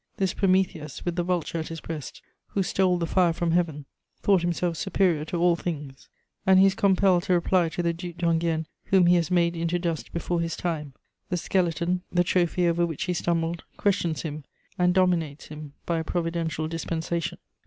This Prometheus, with the vulture at his breast, who stole the fire from heaven, thought himself superior to all things, and he is compelled to reply to the Duc d'Enghien, whom he has made into dust before his time: the skeleton, the trophy over which he stumbled, questions him and dominates him by a providential dispensation.